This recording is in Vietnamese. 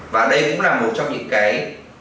và đây cũng là một trong những cái